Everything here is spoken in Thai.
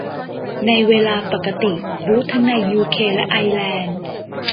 ในเวลาปกติ บูตส์ทั้งในยูเคและไอร์แลนด์